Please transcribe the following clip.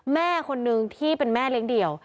แม่คนนึงที่เป็นแม่เลี้ยงเดี่ยว